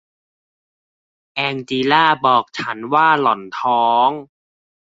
แองจีลาบอกฉันว่าหล่อนท้อง